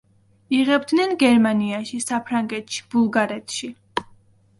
იღებდნენ გერმანიაში, საფრანგეთში, ბულგარეთში.